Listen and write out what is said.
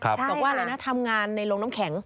บอกว่าอะไรนะทำงานในโรงน้ำแข็ง